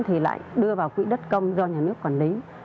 thì lại đưa vào quỹ đất công do nhà nước quản lý